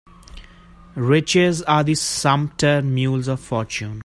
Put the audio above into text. Riches are the sumpter mules of fortune.